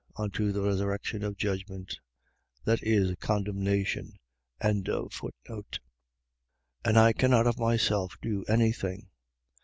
Unto the resurrection of judgment. . .That is, condemnation. 5:30. I cannot of myself do any thing.